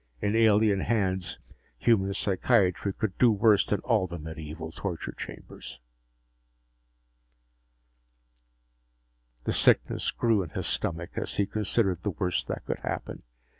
In alien hands, human psychiatry could do worse than all the medieval torture chambers! The sickness grew in his stomach as he considered the worst that could happen.